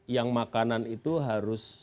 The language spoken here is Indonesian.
yang makanan itu harus